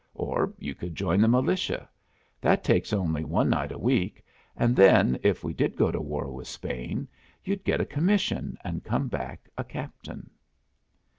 Or, you could join the militia. That takes only one night a week, and then, if we did go to war with Spain, you'd get a commission, and come back a captain!"